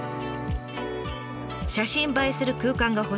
「写真映えする空間が欲しい」。